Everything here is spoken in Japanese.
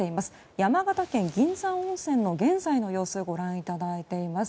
山形県銀山温泉の現在の様子ご覧いただいています。